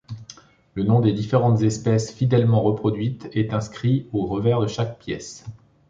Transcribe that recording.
Le nom des différentes espèces, fidèlement reproduites, est inscrit au revers de chaque pièce.